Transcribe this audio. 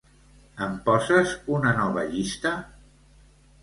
Em poses una nova llista?